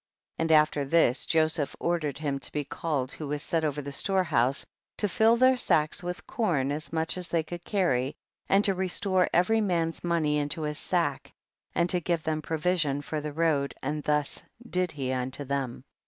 45. And after this Joseph ordered him to be called who was set over the storehouse, to fill their sacks with corn as much as they coidd carry, and to restore every man's money into his sack, and to give them provision for the road, and thus did he unto them.